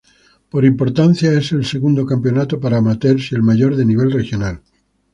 Por importancia, es el segundo campeonato para amateurs y el mayor de nivel regional.